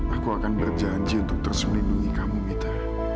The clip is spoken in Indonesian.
aku akan berjanji untuk terus melindungi kamu kita